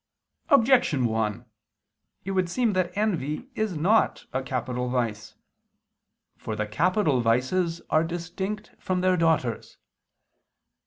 Objection 1: It would seem that envy is not a capital vice. For the capital vices are distinct from their daughters.